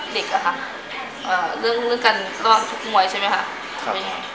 เด็กอ่ะค่ะเรื่องกันร่วมชุดมวยใช่ไหมค่ะ